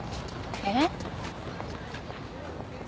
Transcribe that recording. えっ？